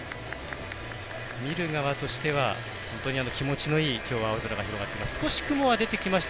見る側としては本当に気持ちのいいきょうは青空が広がっています。